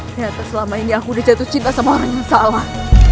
ternyata selama ini aku udah jatuh cinta sama orang yang salah